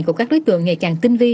của các đối tượng ngày càng tinh vi